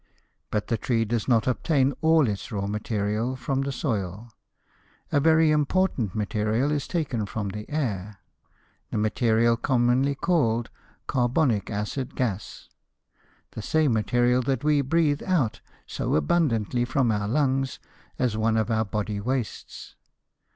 But the tree does not obtain all its raw material from the soil. A very important material is taken from the air, the material commonly called "carbonic acid gas," the same material that we breathe out so abundantly from our lungs as one of our body wastes.